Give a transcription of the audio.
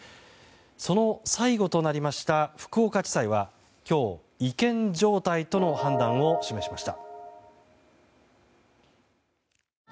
その最後となりました福岡地裁は今日、違憲状態との判断を示しました。